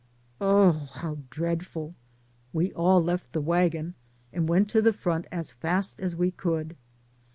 Oh, how dreadful. We all left the wagon and went to the front as fast as we could.